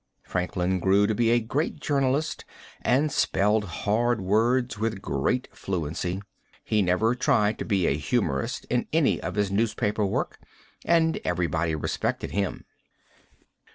Franklin grew to be a great journalist, and spelled hard words with great fluency. He never tried to be a humorist in any of his newspaper work, and everybody respected him.